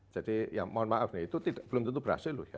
jadi ya mohon maaf ya itu belum tentu berhasil loh ya